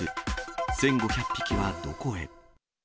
１５００匹はどこへ？